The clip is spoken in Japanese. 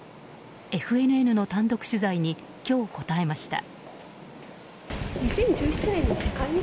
ＦＮＮの単独取材に今日答えました。